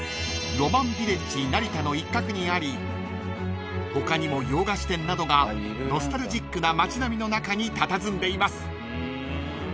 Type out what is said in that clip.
［浪漫ヴィレッジ成田の一角にあり他にも洋菓子店などがノスタルジックな街並みの中にたたずんでいます］